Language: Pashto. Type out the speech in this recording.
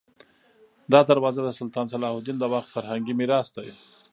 دا دروازه د سلطان صلاح الدین د وخت فرهنګي میراث دی.